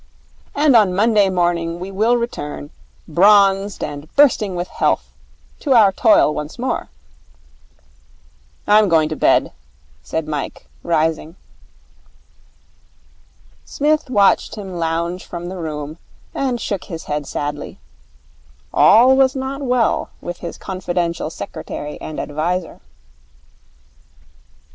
And on Monday morning we will return, bronzed and bursting with health, to our toil once more.' 'I'm going to bed,' said Mike, rising. Psmith watched him lounge from the room, and shook his head sadly. All was not well with his confidential secretary and adviser.